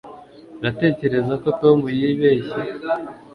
uratekereza ko tom yibeshye